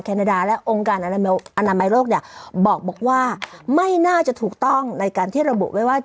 นาดาและองค์การอนามัยโลกเนี่ยบอกว่าไม่น่าจะถูกต้องในการที่ระบุไว้ว่า